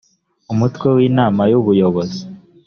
umutwe wa inama y ubuyobozi